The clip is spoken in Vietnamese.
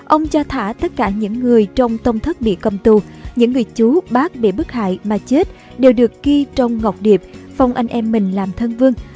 ông cho thả tất cả những người trong tông thất bị cầm tù những người chú bác bị bức hại mà chết đều được ghi trong ngọc điệp phong anh em mình làm thân vương